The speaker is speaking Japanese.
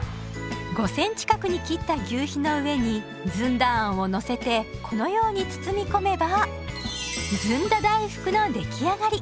５センチ角に切った求肥の上にずんだあんをのせてこのように包み込めばずんだ大福の出来上がり。